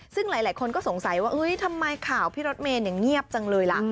ซึ่งหลายคนก็สงสัยว่าทำไมข่าวพี่รถเมย์เงียบจังเลยล่ะ